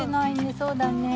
そうだねえ。